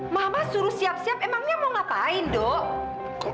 mama suruh siap siap emangnya mau ngapain dok